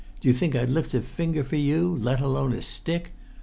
Do you think I'd lift a finger for you—let alone a stick?